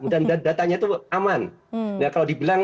dan datanya tuh aman